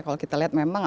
kalau kita lihat maksudnya